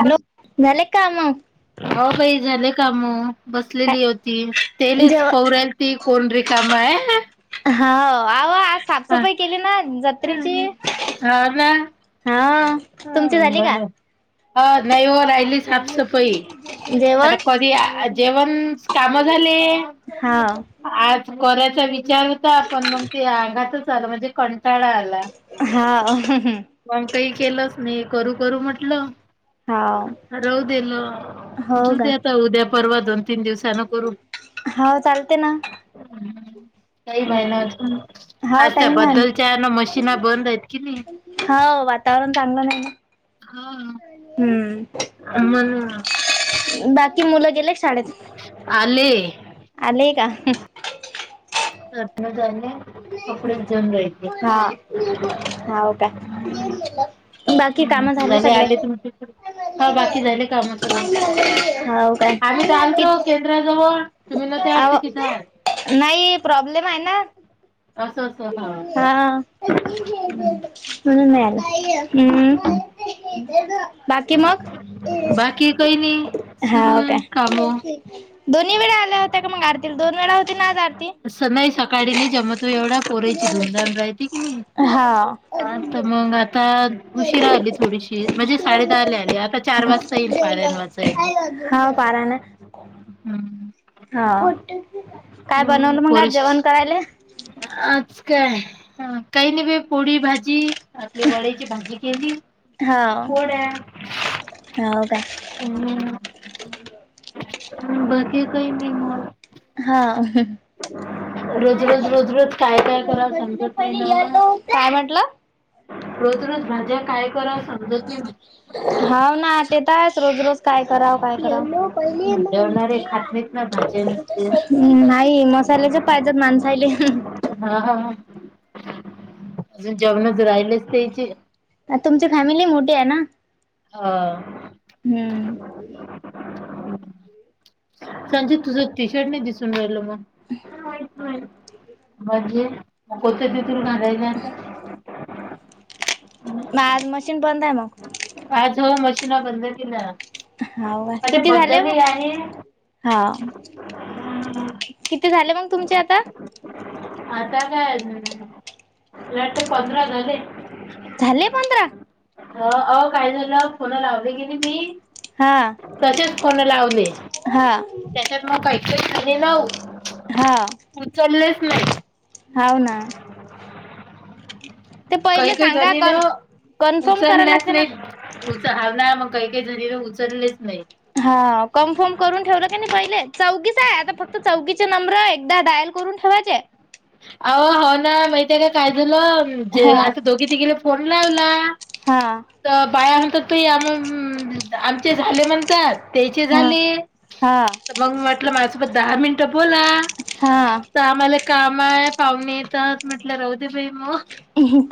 Hello झाले काम? हो बाई झाले काम काय बसलेली होती तेलेच जेव पवरा ती कोण रिकामय हा आव आज साफसफाई केली ना जात तिची ना हा तुमची झाली का? ह नाही ओ राहिली साफसफाई आता जेवण करुया जेवण काम झाले. हा आज करायचा विचार तर पण मग ते अंघातच आलं म्हणजे कंटाळा आ हा. मग काही केलंच नाही करू करू म्हटलं. हा रहूदेल अ हो [unintelligible] का दे आता उद्या परवा दोन तीन दिवसान करू. हो चालते ना काही हम्म महिन्यातून हो आता टाईम आहे बद्दल च्या ना मशीना बंद हेत की नाई. हो वातावरण चांगलं नाही ना हा. हम्म. मला. बाकी मुलं गेले शाळेत. आले. आले का. अठरा झाले. कपडेच देऊन राहिले. हा हाव का? बाकी कामं झाली झाले सगळे. आले तुमचे हा बाकी झाले काम सगळे. हाव का. [unintelligible] जवळ ते म्हणलं त्या [unintelligible] तिथंय नाही प्रॉब्लेम हाय ना. असं असं हा. [unintelligible] नाय आलं हम्म. बाकी मग बाकी काही नाही सुरू हाव का. आहे काम. दोन्ही वेळा आल्या होत्या का मग आरतील दोन वेळा होती ना आज आरती. पोरीयाची धूमधाम राहते की मी हा आता मग आता उशीरा आली थोडीशी म्हणजेच साडे दहाला आली आता चार वाजता येईल पारायण वाचायला. हा पारा ना हम्म. हा काय हम्म बनवल मग आज पोरस जेवण करायले आज काय काही नाई बाई पोडी भाजी आपली वड्याची भाजी केली कोड्या हाव का हम्म बाकी काय नाही मग हा ह रोज रोज रोज रोज काय काय कराल समजत नाही ना मग काय म्हटलं रोज रोज भाज्या काय करा साग हाव ना तेत आहे रोज रोज काय कराव काय कराव पहि जेवणारे खात नाहीत ना भाज्या नुसत्या. ह नाही मसाल्याचे पाहिज माणसायले हा ह हे अजून जेवणच राहिलच त्याचे तुमची फॅमिली मोठी आहे ना हो हुम्म संजित की शर्ट नाही दिसून राहिल मग म्हणजे मग कोणत तथरूनलायला आता नाय आज मशीन बंद आहे मग आज हो मशीन बंद केल्या हो का म्हणजे किती झाले बद्दलही मग आहे हा किती झाले मग तुमचे आता आता काय लाट पंधरा झाले झाले पंधरा ह आओ काय झाल फोन लावली गेली मी हा तसेच फोन लावले हा त्याच्यात मग का एकवीस आणि नऊ हा ऊचलेच नाही हव ना ते काही पहिले काही सांगा जणी न कन कन्फर्म करायला उचलल्याच लागते ना. नाहीत उच हाव ना मग काही काही झणीने उचललेच नाही हा कन्फार्म करून ठेवल का नाही पहिले चौगिच आहे आता फक्त चौगीचे नंबर आहे एकदा डायल करून ठेवायचे आहो हावना माहिती आहे का काय झाल जे हा आता दोघी तघेले फोन लावला हा ते बाया म्हणत तु आ आमचे झाले म्हणतात त्याचे हा झाले हा तर मग म्हटल माझ्या सोबत दहा मिनट बोला हा ते आम्हाला काम आहे पाहुणे येतात म्हटल राहू ते बाई म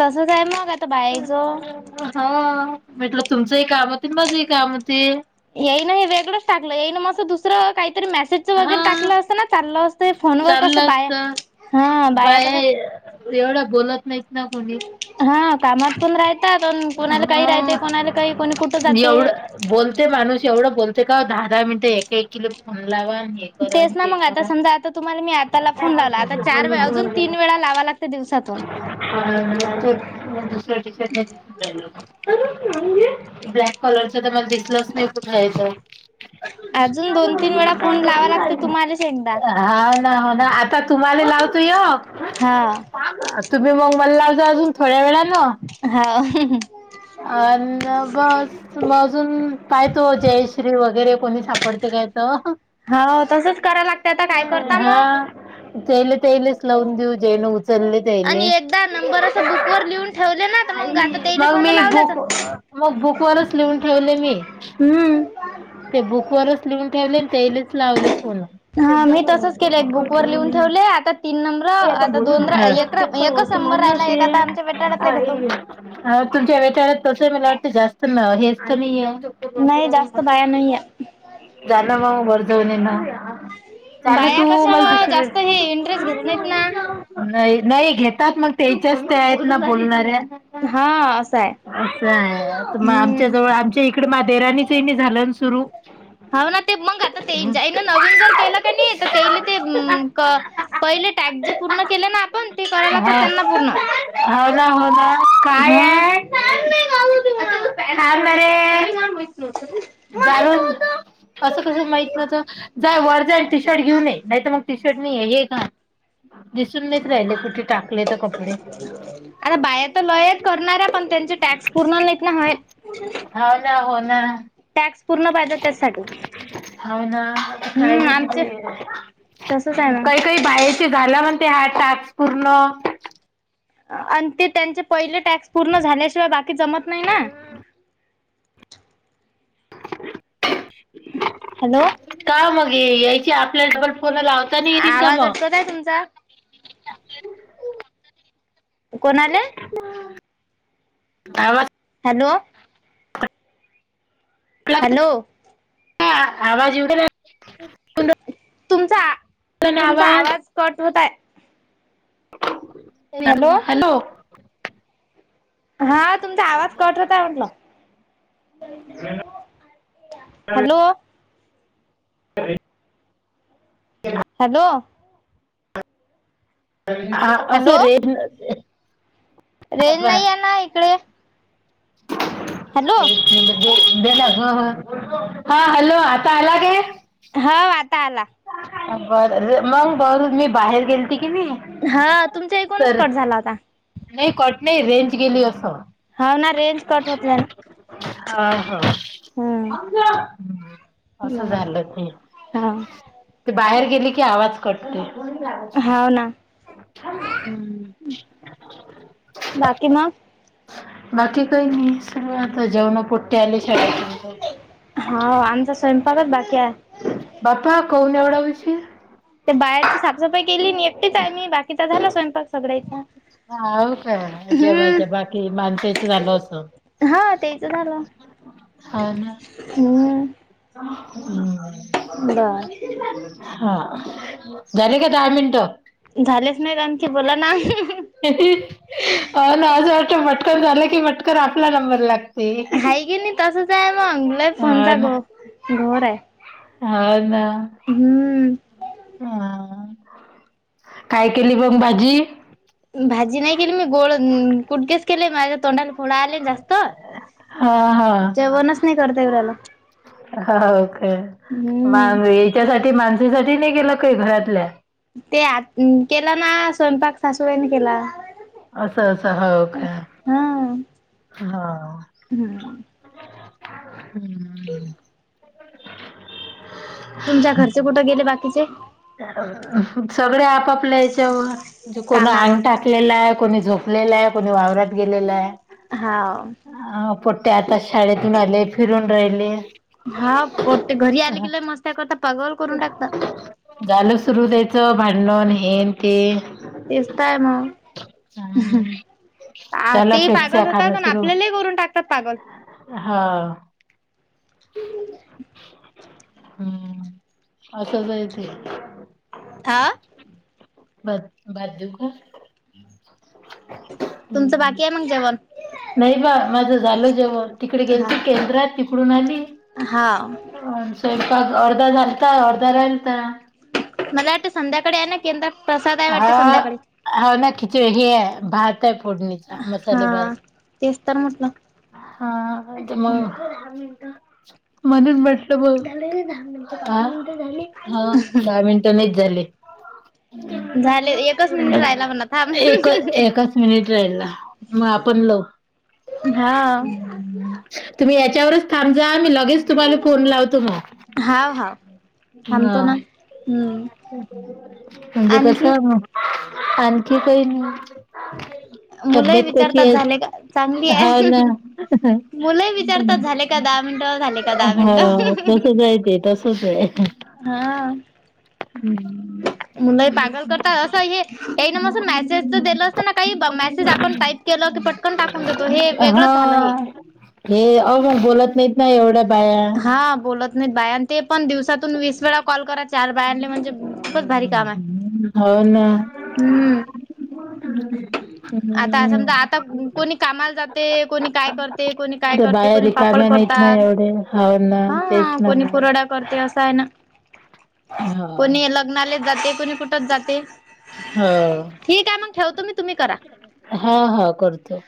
तसच आहे मग आता बायाच हा म्हटल तुमचही काम होतील माझेही काम होतील येईन हे वेगळच टाकल येईन मस दुसर काहीतरी मेसेज हा वगैरे टाकल असत ना चालल असत फोन वर कस चाललं बाया असत हा बाया कस एवढ बोलत नाहीत ना कोणी हा कामात पण रायतात कोणाला काही रायते हा कोणाला काही कोणी कुठ जाते एवढं बोलते माणूस एवढ बोलते का दहा दहा मिनट एक एक किल फोन लावा करा आणि तेच ना ते मंग आता करा. समजा आता तुम्हाला मी आत त्याला फोन लावला, आता चार वेळा अजून तीन वेळा लावावं लागतं दिवसातून. [unintelligible] [unintelligible] ब्लॅक कॉलरच तर मला दिसलंच नाही कुठे आहे तं. अजून दोन तीन वेळा फोन लावावं लागतं, तुम्हालाच एकदा ह ना, हो ना आता तुम्हाला लावतो हा यक तुम्ही मंग मला लावजा अजून थोड्या वेळानं. हा, हं, हं. अनं बस म अजून काय तो जयश्री वगैरे कोणी सापडते काय तो. हो तसंच करायला लागते, आता काय करता मग? जेयले तेयलेच लावून देऊ, जेणं उचलले अणि तेले एकदा नंबर असं बुक वर लिहून ठेवले ना, तं मंग आता तेयले फोन लाव [unintelligible] मग बुकवरच लिहून ठेवले मी. हम्म. ते बुक वरच लिहून ठेवले, अन तेयलेच लावले फोनं. हा मी तसंच केलंय बुकवर लिहून ठेवले आता तीन नंबर आता दोन एक एकच नंबर राहिला एक आता आमच्या वेटाळ्यातला घेतो. [unintelligible] [unintelligible] अन तुमच्या वेळात तसंहि मला वाटत जास्त न हेच तर नाहीये. नाही जास्त बाया नाहीये. चक्कर झालं मऊ गरजऊनेनं बाया कशावर जास्त हे इंटरेस्ट घेत नाहीत ना. [unintelligible] नाही, नाही घेतात मग त्यायच्याच त्या आहेत ना बोलणाऱ्या. हा असं आहे. असं आहे मग, आमच्या हम्म. जवळ आमच्या इकडे माह्या देराणीचं नाही झालं ना सुरू. हाउ ना ते मंग आता तेय ज्यायन नवीन जर केलं का नाही तर तेयले ते पहिले टॅक जे पूर्ण केले ना आपण, ते करावे लागता त्यांना पूर्ण. हाऊ ना, हो ना. काय हां [unintelligible] थांब ना रे जाणून असं कसं माहित नव्हतं? नाय वर जाय अन टी शर्ट घेऊन ये. नाही तर मग टी शर्ट नहीये, हे घाल. दिसून नहीच राहिले कुठे टाक आता बायातं लाँयत करणारेय, पण त्यांचे टॅक पूर्ण नाहीत ना होयल. हाव ना, हो ना. टॅक्स पूर्ण पाहिजे त्याचसाठी. हो ना आता काय हम्म बी आमचे तितंये. तसच आहे काही मग काही बाईचे झाला म्हणते हा टास्क पूर्ण. अन ते त्यांचे पहिले टॅक्स पूर्ण झाल्याशिवाय बाकी जमत नाही ना. [inaudible] हॅलो? काय वो मग यायचे आपल्याला डबल फोन लावत आवाज अटकतोय तुमचा. [inaudible] कोण आलं? [unintelligible] आवाज हॅलो हॅलो, ह आवाज येते काय! तुमचा राहिला ना तुमचा आवाज कट होताय? हॅलो, हा, तुमचा आवाज कट होतंय म्हटलं. हॅलो. [unintelligible] हॅलो. हा हॅलो असुदेत, रेंज नाही आहे ना इकडे. हॅलो एक मिनीट. [inaudible] हा हॅलो आता आला काय? हो, आता आला. बरं मग, बर मी बाहेर गेलती की मी. हा, तुमच्या इकूनच कट झाला होता. नाही, कट नाही रेंज गेली असं. हो ना. रेंज कट होत जाय ना. हा.. हम्म. हा. असं बर. झालं ते. हाव. ते बाहेर गेली की आवाज कट होतंय. फोन लागत नाही. हाव ना. हम्म. बाकी मग? बाकी काही नाही. सर्व आता जेवणार पोट्टे आले की. हो, आमचा स्वयंपाकच बाकी आहे. बापा कावून एवढा उशीर? ते बाहेरची साफसफाई केली मी. एकटीच मी बाकीचा झाला स्वयंपाक सगळ्याचा. हं.. हो काय? जेव्हाच्या हम्म बाकी माणसाचं झालं असं. हा, तेचं झालं. हम्. हम्. हा, झाले का दहा मिनटं? झालेच नाहीत, आणखी बोला ना. हा ना, असं वाटतं पटकन झालं की, पटकन आपला नंबर लाग, हाय की नाही तसंच आहे मंग. लई हा फोनचा ना घोळ, घोर आहे. हा.. ना. हम्म. हा. काय केली बंघ भाजी? भाजी नाही केली मी, गोळ कुडकेस केले. माझ्या तोंडाला फोड आले जास्त. हां, हां. जेवणच नाही करता येऊ राहिलं. हो काय. हम्म मग याच्यासाठी माणसांसाठी नाही केलं काही घरातल्या? ते आ केला ना, स्वयंपाक सासुबाईंनी केला. असं असं हो का? हा. हा. हम्म हम्म. तुमच्या घरचे कुठे गेले बाक? सगळे आपापल्या याच्यावर. म्हणजे कोण कामावर. अंग टाक कलेला आहे, कोणी झोपलेला आहे, कोणी वावरात गेलेला आहे. हाव. हा. पोट्टे आता शाळेतून आले, फिरून राहिले. हा, पोट्टे घरी आले अं, कि लई मस्त्या करतात, पागल करून टाकतात. झालं सुरू त्यांच भांडण, हेन ते. तेच तर आहे मग. हम्म्. आ, ते पागल होतात आणि सुरू. आपल्यालाही करून टाकतात पागल. हा [unintelligible] हम्म, असंचं आहे ते. हा. बरं, भात देऊ का? तुमचं हं. बाकी आहे मग जेवण? नाही बाप, माझं झालं जेवण. तिकडे गेल हा. ती, केंद्रात तिकडून आली. हा स्वयंपाक अर्धा झालता, अर्धा राहिलता. मला वाटतं संध्याकाळी आहे ना, केंद्रात प्रसाद आहे हा वाटते, संध्याकाळी. हा ना, खिच हे आहे. भात आहे, फोडणीचा. हा, मसाले भात तेच तर म्हंटलो. हा, मग म्हणून म्हटलं बघ. दहा मिनिटं झाली, हा? दहा मिनिटं नाहीच झाले. झाले एकच मिनिट राहिला म्हणा थांब. एकच-एकच. एक मिनट राहिला, मग आपण लव हा, आ. तुम्ही याच्यावरच थांब, जा मी लगेच तुम्हाला फोन लावतो मग. हा-हा. हा, म्हणजे कसं आणखी आहे मग? आणखी काही नाही. [unintelligible] मुलं तब्येत विचारतात, कशी झाले आहे का? चांगली हाव आहे. ना मुलं विचारतात, झाले का? का, दहा मिनिटं झाले? का, दहा हा मिनिटं, तसच आहे ते तसच हा? हम्म-हम्म. मुलंही पागल करता असं, हे काही मेसेज तर दिलं असत ना, काही मेसेज आपण टाईप केलं की पटकन टाकून देतो. हे वेगळंच झालं हे. हा हे अवघड, मग बोलत नाहीत ना एवढ्या बाया? हा, बोलत नाहीत बाया, ते पण दिवसातून वीस वेळा कॉल करायचा. चार बायांले म्हणजे खूपच भारी काम आहे, हो ना हम्म. [inaudible] आता असं हम्म समजा, आता कोणी कामाला जाते, कोणी काय करते, कोणी काय करते, कोणी पापड काम्या नाहीत ना करतात एवढे. हाव ना, तेच ना. ड करते असा आहे ना, हा कोणी लग्नालेच जाते, कोणी कुठच जाते. हो, ठीक आहे मग ठेवतो मी तुम्ही करा हा-हा, करतो.